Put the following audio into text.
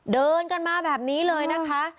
เดินกันมาแบบนี้เลยนะคะ